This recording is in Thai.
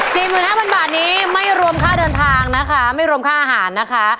สี่หมื่นห้าพันบาทนี้ไม่รวมค่าเดินทางนะคะไม่รวมค่าอาหารนะคะ